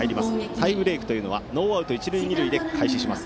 タイブレークというのはノーアウト、一塁二塁で開始します。